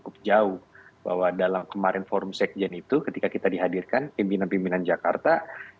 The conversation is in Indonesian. karena ini memang sudah cukup jauh bahwa dalam kemarin forum seksien itu ketika kita dihadirkan pembina pembina jakarta